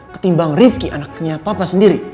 ketimbang rifki anaknya papa sendiri